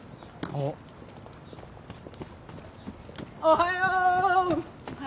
おはよう。